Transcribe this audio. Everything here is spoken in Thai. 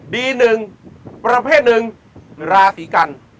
หนึ่งประเภทหนึ่งราศีกัน